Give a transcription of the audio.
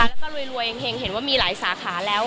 แล้วก็รวยเฮงเห็นว่ามีหลายสาขาแล้ว